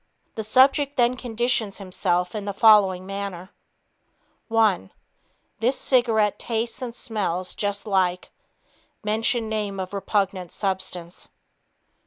The subject then conditions himself in the following manner: One ... This cigarette tastes and smells just like (mention name of repugnant substance).